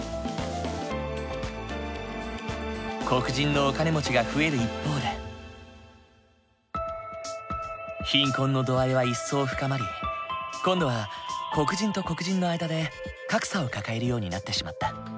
黒人のお金持ちが増える一方で貧困の度合いは一層深まり今度は黒人と黒人の間で格差を抱えるようになってしまった。